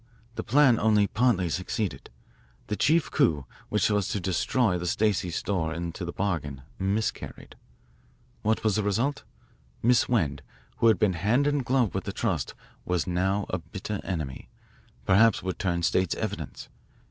The plan only partly succeeded. The chief coup, which was to destroy he Stacey store into the bargain, miscarried. "What was the result? Miss Wend, who had been hand in glove with the 'trust,' was now a bitter enemy, perhaps would turn state's evidence.